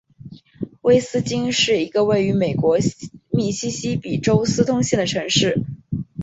威金斯是一个位于美国密西西比州斯通县的城市。